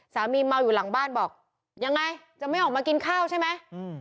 เมาอยู่หลังบ้านบอกยังไงจะไม่ออกมากินข้าวใช่ไหม